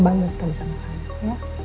bangga sekali sama kamu ya